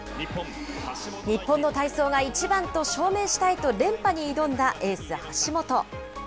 日本の体操が一番と証明したいと連覇に挑んだエース橋本。